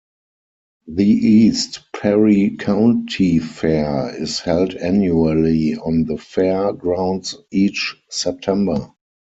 The East Perry County Fair is held annually on the fair grounds each September.